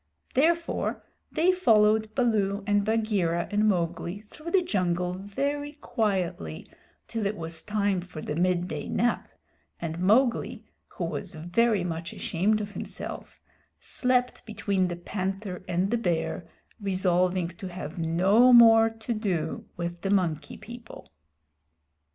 Therefore they followed Baloo and Bagheera and Mowgli through the jungle very quietly till it was time for the midday nap, and Mowgli, who was very much ashamed of himself, slept between the Panther and the Bear, resolving to have no more to do with the Monkey People.